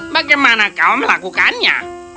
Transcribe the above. bagaimana kau melakukannya